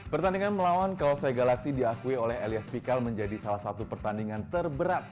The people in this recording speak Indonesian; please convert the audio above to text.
pertandingan melawan kalau saya galaksi diakui oleh elias pikal menjadi salah satu pertandingan terberat